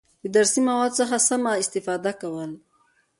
د درسي موادو څخه سمه استفاده کول،